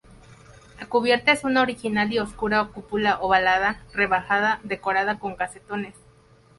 La cubierta es una original y oscura cúpula ovalada, rebajada, decorada con Casetones.